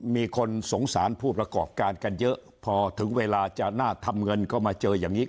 มีคนสงสารผู้ประกอบการกันเยอะพอถึงเวลาจะน่าทำเงินก็มาเจออย่างนี้